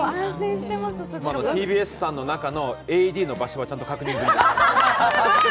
しかもＴＢＳさんの中のＡＥＤの場所は確認済みです。